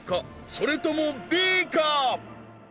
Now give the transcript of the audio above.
それともＢか？